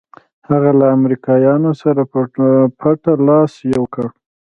هغه له امریکایانو سره په پټه لاس یو کړ.